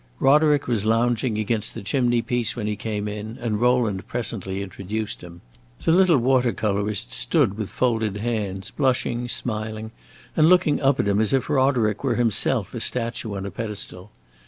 Roderick was lounging against the chimney piece when he came in, and Rowland presently introduced him. The little water colorist stood with folded hands, blushing, smiling, and looking up at him as if Roderick were himself a statue on a pedestal.